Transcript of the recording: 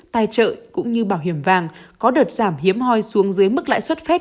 tài trợ cũng như bảo hiểm vàng có đợt giảm hiếm hoi xuống dưới mức lãi xuất fed